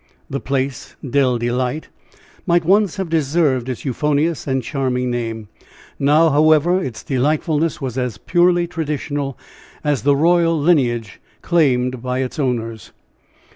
The place, Dell Delight, might once have deserved its euphonious and charming name; now, however, its delightfulness was as purely traditional as the royal lineage claimed by its owners.